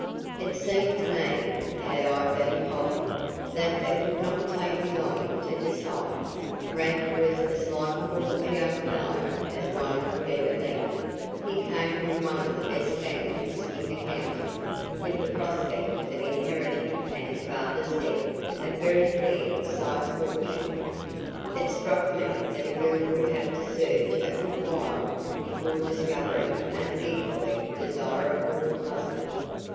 It seemed to me, had I been Polly, that it would not take me long to decide. Rad was as likable a young fellow as one would ever meet; he came from one of the best families in the county, with the prospect of inheriting at his father's death a very fair sized fortune. It struck me that a girl would have to search a good while before discovering an equally desirable husband.